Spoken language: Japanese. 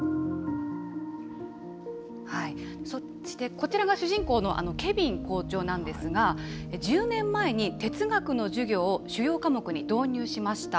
こちらが主人公のケヴィン校長なんですが、１０年前に哲学の授業を主要科目に導入しました。